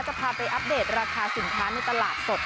จะพาไปอัปเดตราคาสินค้าในตลาดสด